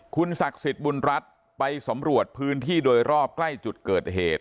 คุณศักดิ์สิทธิ์บุญรัฐไปสำรวจพื้นที่โดยรอบใกล้จุดเกิดเหตุ